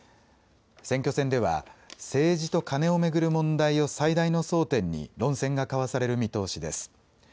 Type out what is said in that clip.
選挙戦では政治とカネを巡る問題を最大の争点に論戦が交わされる見通しです。